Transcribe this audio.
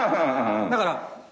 だから